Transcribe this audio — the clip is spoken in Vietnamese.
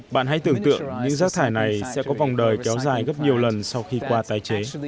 bạn hãy tưởng tượng những rác thải này sẽ có vòng đời kéo dài gấp nhiều lần sau khi qua tái chế